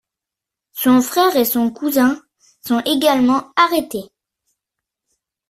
Son frère et son cousin sont également arrêtés.